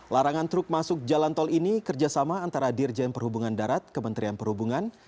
larangan truk masuk jalan tol ini kerjasama antara dirjen perhubungan darat kementerian perhubungan